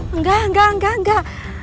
enggak enggak enggak enggak